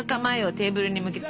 テーブルに向けて？